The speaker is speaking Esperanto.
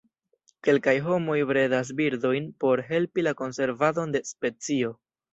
Kelkaj homoj bredas birdojn por helpi la konservadon de specio.